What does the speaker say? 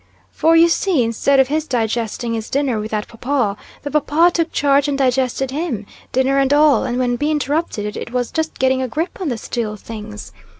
For you see, instead of his digesting his dinner with that paw paw, the paw paw took charge and digested him, dinner and all, and when B interrupted it, it was just getting a grip on the steel things.